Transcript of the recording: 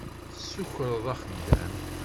Tessukreḍ axeddam.